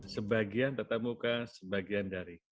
sebagian tetap muka sebagian dari